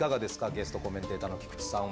ゲストコメンテーターの菊地さんは。